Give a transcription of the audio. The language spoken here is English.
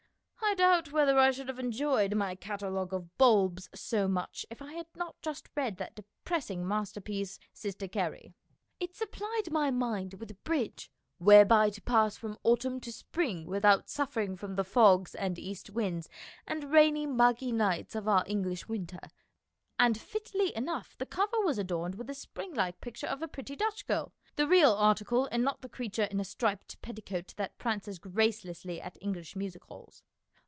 I doubt whether I should have enjoyed my catalogue of bulbs so much if I had not just read that depressing masterpiece " Sister Carrie." 261 262 MONOLOGUES It supplied my mind with a bridge whereby to pass from autumn to spring without suffering from the fogs and east winds and rainy, muggy nights of our English winter, and fitly enough the cover was adorned with a spring like picture of a pretty Dutch girl the real article, and not the creature in a striped petticoat that prances gracelessly at English music halls.